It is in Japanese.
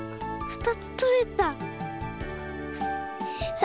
２つとれた！